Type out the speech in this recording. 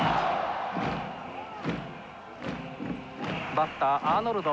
バッターアーノルド。